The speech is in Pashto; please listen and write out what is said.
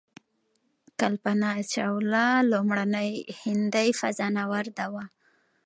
کلپنا چاوله لومړنۍ هندۍ فضانورده وه.